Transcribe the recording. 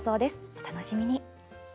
お楽しみに。